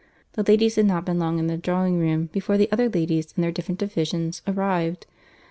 The ladies had not been long in the drawing room, before the other ladies, in their different divisions, arrived.